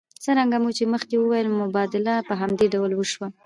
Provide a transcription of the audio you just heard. څرنګه مو چې مخکې وویل مبادله په همدې ډول وشوه